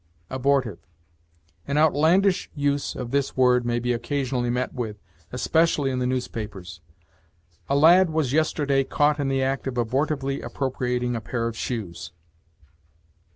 ABORTIVE. An outlandish use of this word may be occasionally met with, especially in the newspapers. "A lad was yesterday caught in the act of abortively appropriating a pair of shoes."